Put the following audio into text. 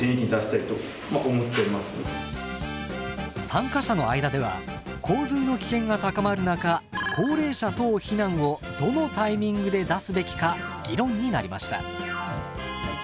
参加者の間では洪水の危険が高まる中高齢者等避難をどのタイミングで出すべきか議論になりました。